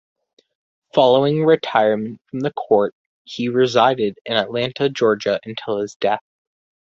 Following retirement from the Court, he resided in Atlanta, Georgia until his death.